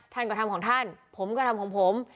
ท่านก็ทำของท่านผมก็ทำของผม